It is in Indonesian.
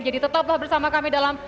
jadi tetaplah bersama kami dalam